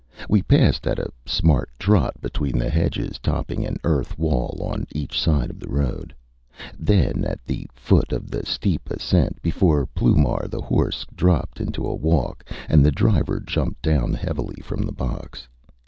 We passed at a smart trot between the hedges topping an earth wall on each side of the road; then at the foot of the steep ascent before Ploumar the horse dropped into a walk, and the driver jumped down heavily from the box.